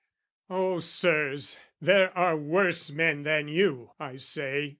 Oh, Sirs, there are worse men than you, I say!